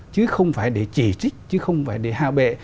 chứ không phải để chỉ trích chứ không phải để hạ bệ